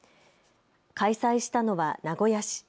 開催したのは名古屋市。